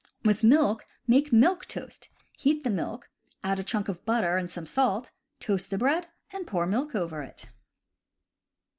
With milk, make milk toast: heat the milk, add a chunk of butter and some salt, toast the bread, and pour milk over it.